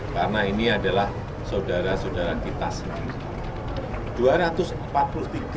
karena ini adalah saudara saudara kita sendiri